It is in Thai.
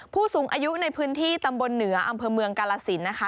ผู้สูงอายุในพื้นที่ตำบลเหนืออำเภอเมืองกาลสินนะคะ